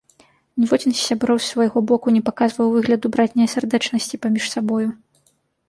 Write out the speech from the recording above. Ніводзін з сяброў з свайго боку не паказваў выгляду братняй сардэчнасці паміж сабою.